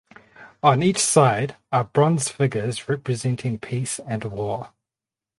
On each side are bronze figures representing peace and war.